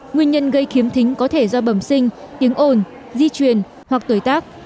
nguyên nhân gây khiếm thính có thể do bẩm sinh tiếng ồn di truyền hoặc tuổi tác